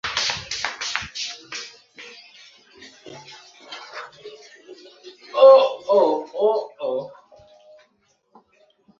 শতাব্দীর পর শতাব্দী ধরে আইনের অসংখ্য সংজ্ঞা দেওয়া হয়েছে।